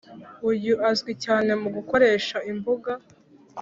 Uyu azwi cyane mu gukoresha imbuga